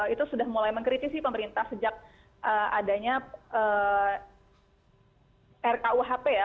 itu sudah mulai mengkritisi pemerintah sejak adanya rkuhp ya